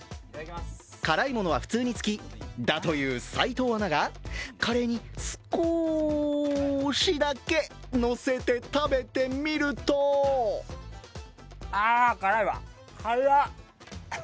辛いものは普通に酸きだという齋藤アナがカレーに少しだけのせて食べてみるとああ、辛いわ、辛！